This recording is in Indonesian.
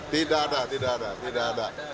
tidak ada tidak ada